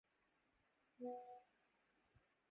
کہہ ڈالے قلندر نے اسرار کتاب آخر